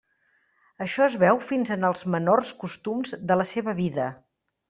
Això es veu fins en els menors costums de la seva vida.